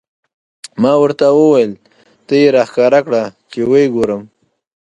ما ورته وویل: ته یې را ښکاره کړه، چې و یې ګورم.